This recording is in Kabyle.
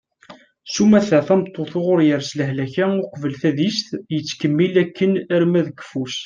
sumata tameṭṭut uɣur yers lehlak-a uqbel tadist yettkemmil akken arma d keffu-s